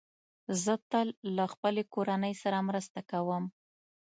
زه تل له خپلې کورنۍ سره مرسته کوم.